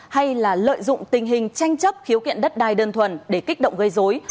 hay là lợi dụng tình hình tranh chấp khiếu kiện đất đai đơn thuần để kích động gây dối